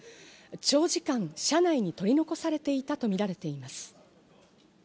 長時間、車内に取り残されていたとみられています。